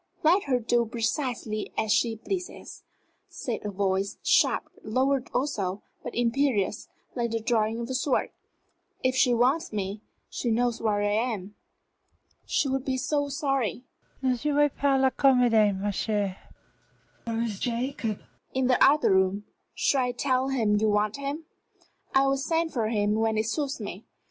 "Let her do precisely as she pleases," said a voice, sharp, lowered also, but imperious, like the drawing of a sword. "If she wants me, she knows where I am." "She would be so sorry " "Ne jouez pas la comédie, ma chère! Where is Jacob?" "In the other room. Shall I tell him you want him?" "I will send for him when it suits me.